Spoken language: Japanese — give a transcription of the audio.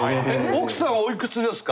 奥さんはおいくつですか？